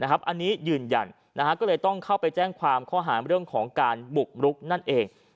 อันนี้ยืนยันก็เลยต้องเข้าไปแจ้งความข้อหาเรื่องของการบุกรุกนั่นเอง